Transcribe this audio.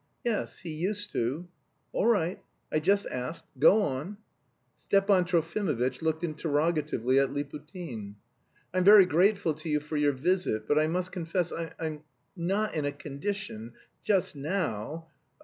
"Yes, he used to..." "All right. I just asked. Go on." Stepan Trofimovitch looked interrogatively at Liputin. "I'm very grateful to you for your visit. But I must confess I'm... not in a condition... just now...